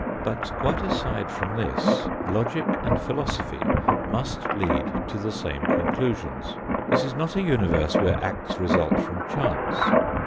But, quite aside from this, logic and philosophy must lead to the same conclusions. This is not a universe where acts result from chance.